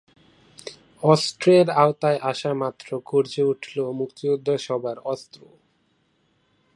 অস্ত্রের আওতায় আসা মাত্র গর্জে উঠল মুক্তিযোদ্ধা সবার অস্ত্র।